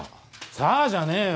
さあじゃねぇよ。